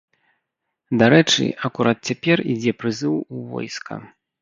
Дарэчы, акурат цяпер ідзе прызыў у войска.